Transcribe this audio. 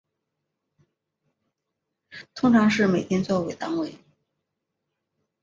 通常是美金做为单位。